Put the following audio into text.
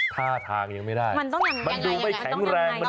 ท่าทางยังไม่ได้มันดูไม่แข็งแรง